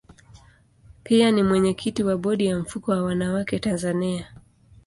Pia ni mwenyekiti wa bodi ya mfuko wa wanawake Tanzania.